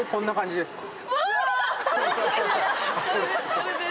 これです